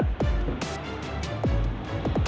bokap gue di penjara